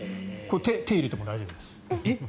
手を入れても大丈夫です。